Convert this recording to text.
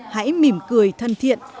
hãy mỉm cười thân thiện